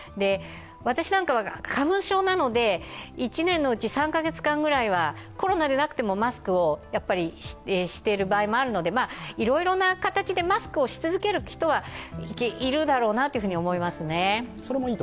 私なんかは花粉症なので１年のうち３カ月間くらいはコロナでなくてもマスクをしている場合もあるのでいろいろな形でマスクをし続ける人はいるだろうなと思いますね。